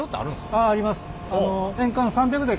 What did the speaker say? あああります。